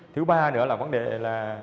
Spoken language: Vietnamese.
thứ ba nữa là vấn đề là